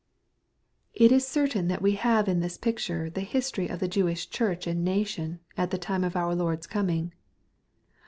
It is certain that we have in this picture the history of the Jeunsh church and nation, at the time of our Lord's coming.